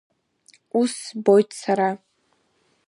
Ус збоит сара.